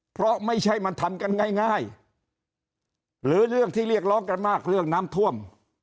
เพราะไม่ใช่มันทำกันง่ายหรือเรื่องที่เรียกร้องกันมากเรื่องน้ำท่วม